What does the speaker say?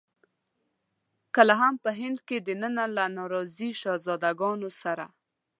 کله هم په هند کې دننه له ناراضي شهزاده ګانو سره.